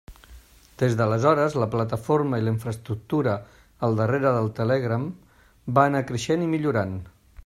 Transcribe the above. Des d'aleshores, la plataforma i la infraestructura al darrere del Telegram va anar creixent i millorant.